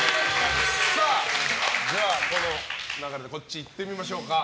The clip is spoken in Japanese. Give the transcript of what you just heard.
この流れでこっち行ってみましょうか。